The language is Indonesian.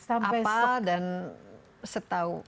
apa dan setau